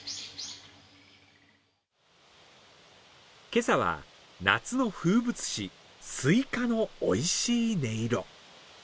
今朝は、夏の風物詩、スイカのおいしい音色。